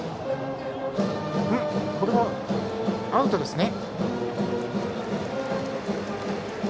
これはアウトですね。